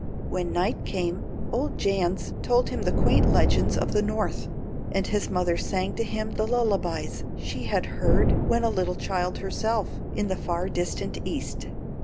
When night came, old Jans told him the quaint legends of the North, and his mother sang to him the lullabies she had heard when a little child herself in the far distant East.